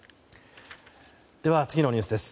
次のニュースです。